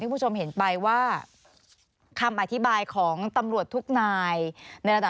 สนุนโดยน้ำดื่มสิง